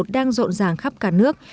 đang rộn ràng khắp cả nước